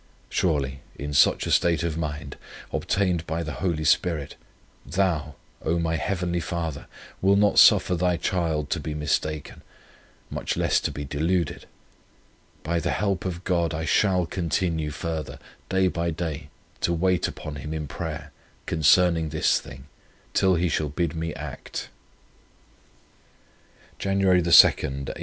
Surely, in such a state of mind, obtained by the Holy Spirit, Thou, O my Heavenly Father, will not suffer Thy child to be mistaken, much less to be deluded! By the help of God I shall continue further, day by day, to wait upon Him in prayer concerning this thing, till He shall bid me act. "Jan. 2, 1851.